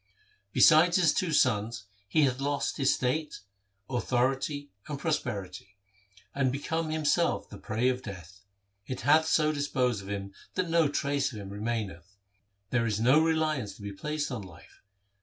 Besides his two sons he hath lost his state, authority, and prosperity, and become himself the prey of death. It hath so dis posed of him that no trace of him remaineth. There is no reliance to be placed on life.